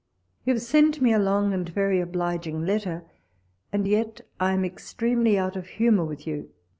You have sent me a long and very obliging letter, and yet I am extremely out of humour with you.